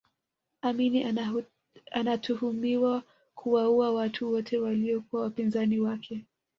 amini anatuhumiwa kuwaua watu wote waliyokuwa wapinzani wake